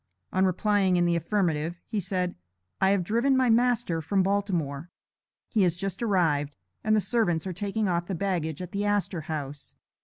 On replying in the affirmative, he said: "I have driven my master from Baltimore. He has just arrived, and the servants are taking off the baggage at the Astor House.